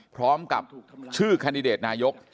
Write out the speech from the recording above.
พร้อมกับชื่อแคนดิเดตนายก